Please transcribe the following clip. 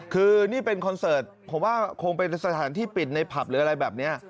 คือนี่เป็นคอนเสิร์ตผมว่าคงเป็นสถานที่ปิดในผับหรืออะไรแบบนี้